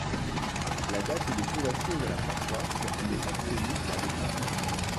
La date de fondation de la paroisse n'est pas connue avec certitude.